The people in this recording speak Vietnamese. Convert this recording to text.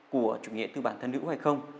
của chủ nghĩa tư bản thân hữu hay không